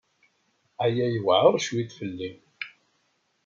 Aya yewɛeṛ cwiṭ fell-i.